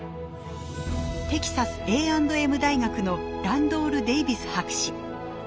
テキサスＡ＆Ｍ大学のランドール・デイビス博士。